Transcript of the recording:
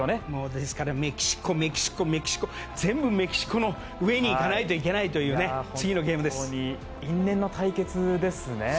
ですからメキシコ、メキシコ全部、メキシコの上にいかないといけないというね因縁の対決ですね。